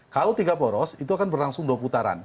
kalau tiga poros itu akan berlangsung dua putaran